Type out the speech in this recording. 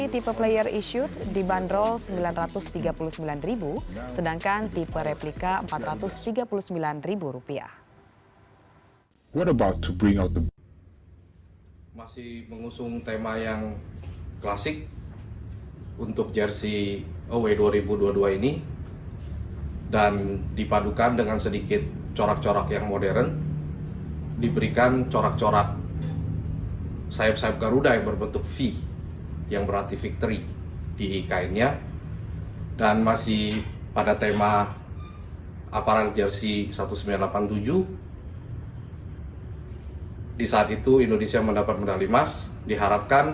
tandang timnas indonesia